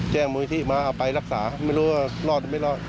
มูลิธิมาเอาไปรักษาไม่รู้ว่ารอดหรือไม่รอด